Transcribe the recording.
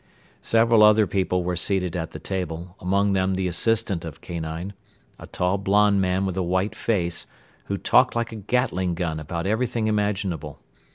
Several other people were seated at the table, among them the assistant of Kanine, a tall blonde man with a white face, who talked like a Gatling gun about everything imaginable.